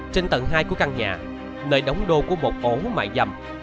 trên tầng hai của căn nhà nơi đống đô của một ổ mài dầm